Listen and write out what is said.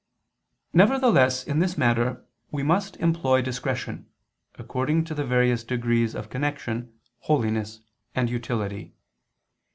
Nevertheless in this matter we must employ discretion, according to the various degrees of connection, holiness and utility.